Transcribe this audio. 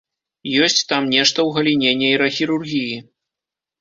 Ёсць там нешта ў галіне нейрахірургіі.